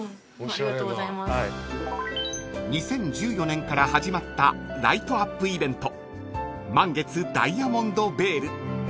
［２０１４年から始まったライトアップイベント満月ダイヤモンドヴェール］